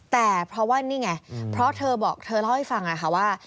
แต่เพราะว่านี่ไงเพราะเธอบอกเธอเล่าให้ฟังนะคะว่า